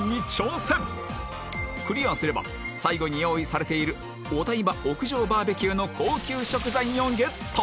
クリアすれば最後に用意されているお台場屋上バーベキューの高級食材をゲット！